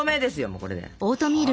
もうこれで。